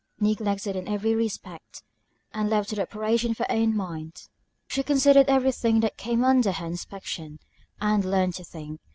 Neglected in every respect, and left to the operations of her own mind, she considered every thing that came under her inspection, and learned to think.